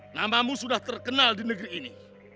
namamu sudah terkenal di negeri ini